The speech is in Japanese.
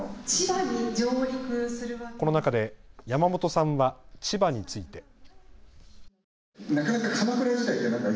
この中で山本さんは千葉について。